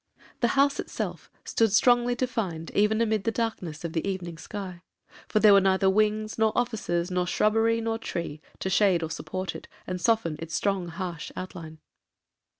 The house itself stood strongly defined even amid the darkness of the evening sky; for there were neither wings, or offices, or shrubbery, or tree, to shade or support it, and soften its strong harsh outline.